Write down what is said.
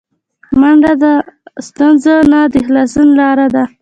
منډه د ستونزو نه د خلاصون لاره ده